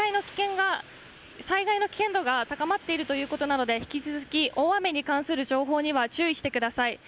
災害の危険度が高まっているということなので引き続き大雨に関する情報には注意してください。